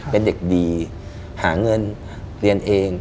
เป็นเด็กดีหาเงินเรียนเอง